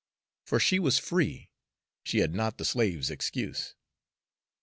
For she was free, she had not the slave's excuse.